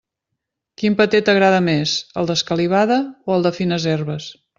Quin paté t'agrada més, el d'escalivada o el de fines herbes?